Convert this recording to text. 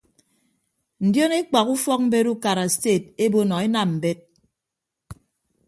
Ndion ekpak ufọkmbet ukara sted ebo nọ enam mbet.